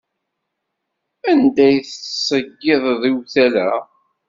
Anda ay d-tettṣeyyideḍ iwtal-a?